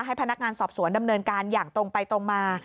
ให้พนักงานสอบสวนดำเนินการอย่างตรงไปตรงมา